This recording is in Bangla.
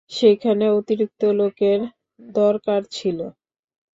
সেখানে অতিরিক্ত লোকের দরকার ছিল।